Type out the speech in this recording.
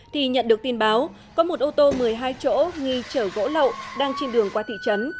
thì nhận được tin báo có một ô tô một mươi hai chỗ nghi chở gỗ lậu đang trên đường qua thị trấn